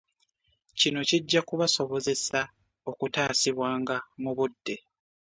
Kino kijja kubasobozesa okutaasibwanga mu budde.